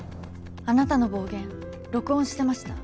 あなたの暴言録音してました。